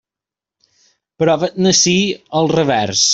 Però vet-ne ací el revers.